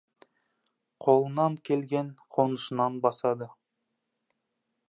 Қолынан келген қонышынан басады.